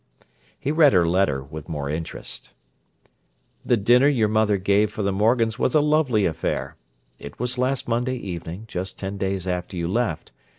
He read her letter with more interest: The dinner your mother gave for the Morgans was a lovely affair. It was last Monday evening, just ten days after you left.